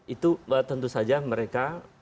itu tentu saja mereka